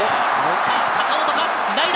坂本がつないだ！